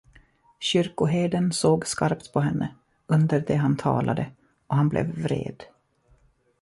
Kyrkoherden såg skarpt på henne, under det han talade, och han blev vred.